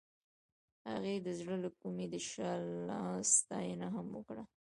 هغې د زړه له کومې د شعله ستاینه هم وکړه.